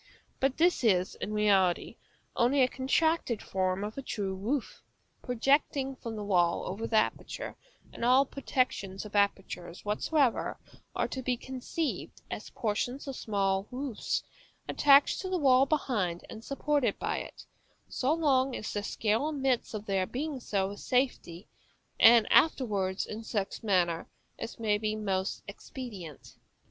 But this is, in reality, only a contracted form of a true roof, projecting from the wall over the aperture; and all protections of apertures whatsoever are to be conceived as portions of small roofs, attached to the wall behind; and supported by it, so long as their scale admits of their being so with safety, and afterwards in such manner as may be most expedient.